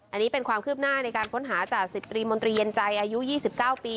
อันนี้เป็นความคืบหน้าในการค้นหาจาก๑๐ตรีมนตรีเย็นใจอายุ๒๙ปี